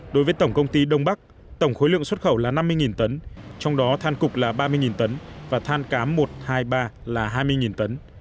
đối với tổng công ty đông bắc tổng khối lượng xuất khẩu là năm mươi tấn trong đó than cục là ba mươi tấn và than cám một hai mươi ba là hai mươi tấn